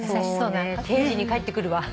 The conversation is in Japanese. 定時に帰ってくるわ。